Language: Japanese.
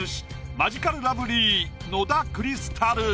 マヂカルラブリー野田クリスタル。